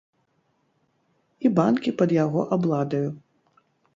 І банкі пад яго абладаю.